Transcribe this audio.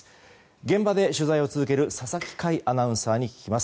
現場で取材を続ける佐々木快アナウンサーに聞きます。